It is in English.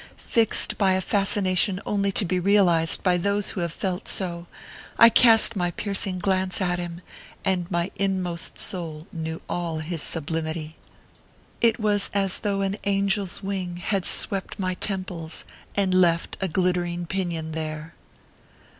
Fixed by a fascination only to be realized by those who have felt so, I cast my piercing glance at him, and my inmost soul knew all his sublimity. It was as though an angel s wing had swept my temples, and left a glittering pinion there.